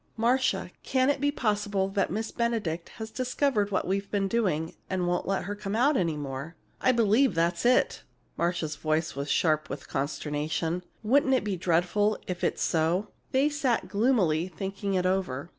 "Marcia, can it be possible that Miss Benedict has discovered what we've been doing, and won't let her come out any more?" "I believe that's it!" Marcia's voice was sharp with consternation. "Wouldn't it be dreadful, if it's so?" They sat gloomily thinking it over.